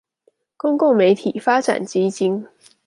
公共媒體發展基金